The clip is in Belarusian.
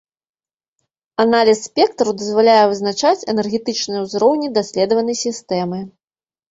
Аналіз спектраў дазваляе вызначаць энергетычныя ўзроўні даследаванай сістэмы.